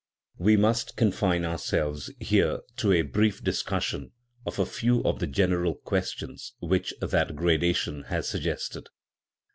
We must confine ourselves here to a brief discussion of a few of the general questions which that gradation has sug gested.